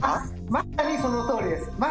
まさにそのとおりです。